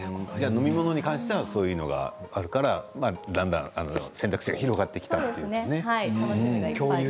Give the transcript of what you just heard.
飲み物に関してはそういうものがあるからだんだん選択肢が広がってきたんですね。